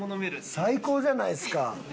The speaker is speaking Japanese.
最高じゃないですか。